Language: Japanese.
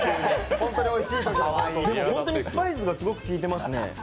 ホントにスパイスがすごくきいてますね。